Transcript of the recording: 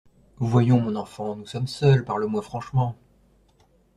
Voyons, mon enfant, nous sommes seuls, parle-moi franchement…